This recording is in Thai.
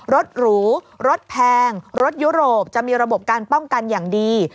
หรูรถแพงรถยุโรปจะมีระบบการป้องกันอย่างดี